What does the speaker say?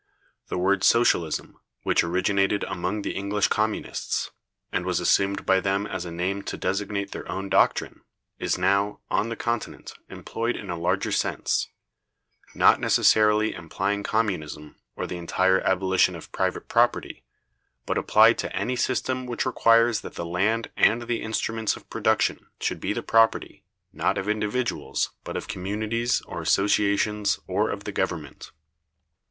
The word Socialism, which originated among the English Communists, and was assumed by them as a name to designate their own doctrine, is now, on the Continent, employed in a larger sense; not necessarily implying Communism, or the entire abolition of private property, but applied to any system which requires that the land and the instruments of production should be the property, not of individuals, but of communities, or associations, or of the government.